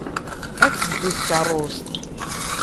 Ad teddu tkeṛṛust.